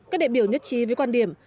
các đệ biểu nhất trí với quan điểm